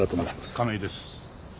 亀井です。